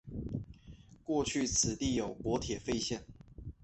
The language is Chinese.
过去此地有国铁废线。